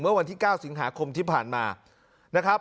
เมื่อวันที่๙สิงหาคมที่ผ่านมานะครับ